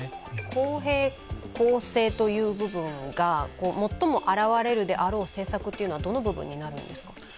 公平・公正という部分が最も表れるであろう政策というのはどの部分になるんですか？